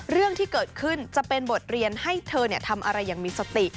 เรื่องที่เกิดขึ้นจะเป็นบทเรียนให้เธอทำอะไรอย่างมีสติ